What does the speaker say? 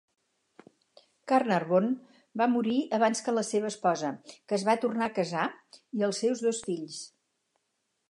Carnarvon va morir abans que la seva esposa, que es va tornar a casar, i els seus dos fills.